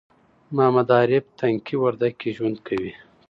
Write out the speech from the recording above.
محمد عارف تنگي وردک کې ژوند کوي